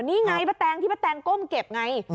นี่ไงป้าแตงที่ป้าแตงก้มเก็บไง